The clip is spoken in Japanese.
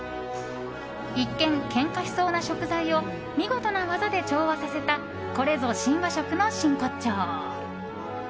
一見、けんかしそうな食材を見事な技で調和させたこれぞ新和食の真骨頂。